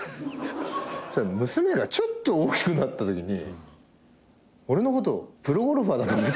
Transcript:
したら娘がちょっと大きくなったときに俺のことプロゴルファーだと思って。